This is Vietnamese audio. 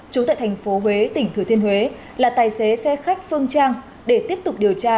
trú tại thành phố huế tỉnh thừa thiên huế là tài xế xe khách phương trang để tiếp tục điều tra